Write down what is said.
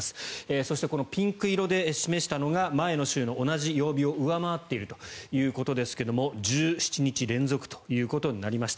そしてこのピンク色で示したのが前の週の同じ曜日を上回っているということですが１７日連続となりました。